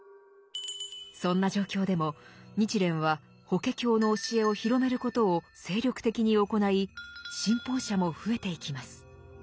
そんな状況でも日蓮は「法華経」の教えを広めることを精力的に行い信奉者も増えていきます。